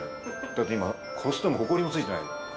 だって今こすってもホコリもついてない。